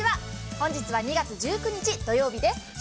本日は２月１９日土曜日です。